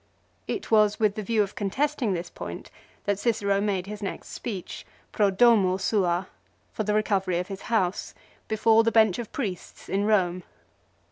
It was with the view of contesting this point that Cicero made his next speech, "Pro Domo Sua," for the recovery of his house, before the Bench of priests in Rome.